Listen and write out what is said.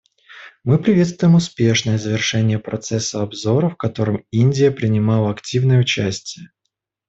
Мы приветствуем успешное завершение процесса обзора, в котором Индия принимала активное участие.